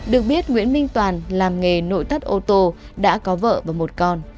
được biết nguyễn minh toàn làm nghề nội tất ô tô đã có vợ và một con